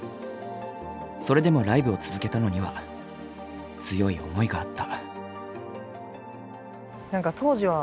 それでもライブを続けたのには強い思いがあった。